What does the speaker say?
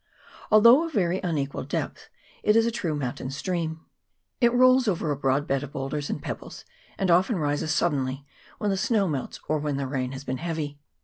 Although of very unequal depth, it is a true mountain stream ; it rolls over a broad bed of boulders and pebbles, and often rises suddenly when the snow melts, or when the rain has been heavy.